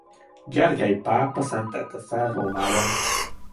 Gergely pápa szentelte fel Rómában.